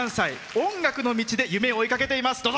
音楽の道で夢を追いかけています。